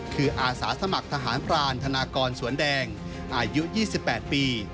คืออาสาสมัครทหารพรานธนากรสวนแดงอายุ๒๘ปี